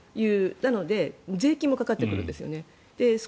で、税金もかかってくるんですよね。